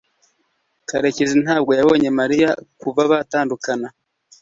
karekezi ntabwo yabonye mariya kuva batandukana